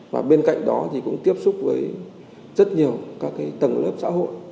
và bên cạnh đó thì cũng tiếp xúc với rất nhiều các tầng lớp xã hội